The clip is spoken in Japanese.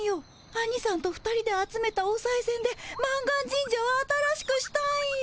アニさんと２人で集めたおさいせんで満願神社を新しくしたんよ。